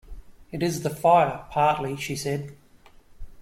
It is the fire, partly, she said.